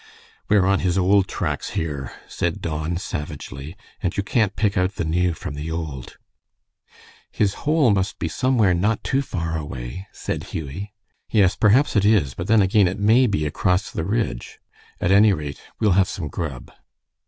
"We're on his old tracks here," said Don, savagely, "and you can't pick out the new from the old." "His hole must be somewhere not too far away," said Hughie. "Yes, perhaps it is, but then again it may be across the ridge. At any rate, we'll have some grub."